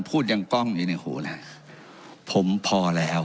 พูดยังกล้องอยู่ในหูแล้วผมพอแล้ว